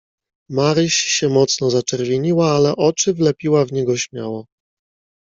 "Maryś się mocno zaczerwieniła, ale oczy wlepiła w niego śmiało."